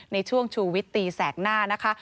ในช่วงชูวิตตีแสกหน้านะคะ